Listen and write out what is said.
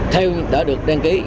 theo đã được đăng ký